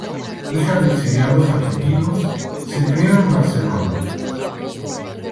Hija de exiliados argentinos, se crió en Barcelona.